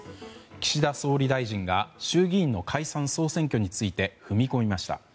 岸田総理大臣が衆議院の解散・総選挙について踏み込みました。